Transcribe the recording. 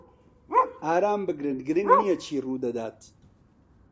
ئارام بگرن، گرنگ نییە چی ڕوودەدات.